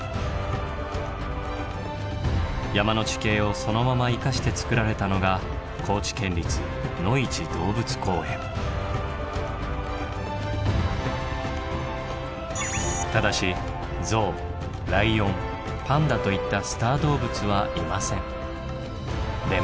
山の地形をそのまま生かしてつくられたのがただしゾウライオンパンダといったでも。